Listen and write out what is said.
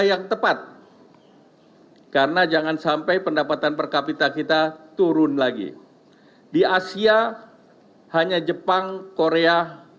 yang tepat karena jangan sampai pendapatan per kapita kita turun lagi di asia hanya jepang korea